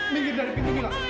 minggir dari pintu mila